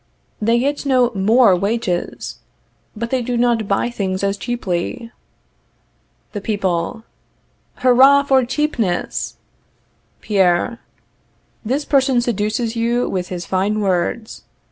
They get no more wages, but they do not buy things as cheaply. The People. Hurrah for CHEAPNESS! Pierre. This person seduces you with his fine words.